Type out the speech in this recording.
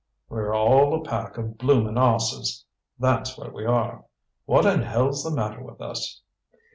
"We're all a pack of bloomin' asses that's what we are. What in hell's the matter with us!"